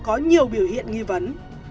có nhiều biểu hiện nghi vấn